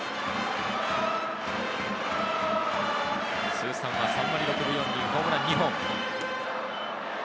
通算は３割６分４厘、ホームラン２本。